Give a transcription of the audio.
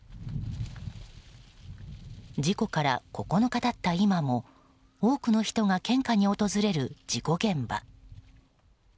事故から９日経った今も多くの人が献花に訪れる事故現場。